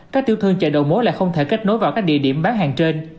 các tiểu thương chợ đầu mối lại không thể kết nối vào các địa điểm bán hàng trên